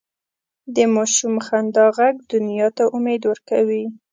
د ماشوم خندا ږغ دنیا ته امید ورکوي.